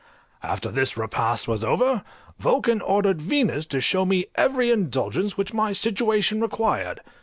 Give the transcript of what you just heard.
After this repast was over Vulcan ordered Venus to show me every indulgence which my situation required.